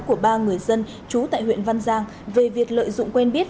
của ba người dân trú tại huyện văn giang về việc lợi dụng quen biết